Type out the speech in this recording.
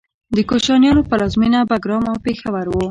د کوشانیانو پلازمینه بګرام او پیښور و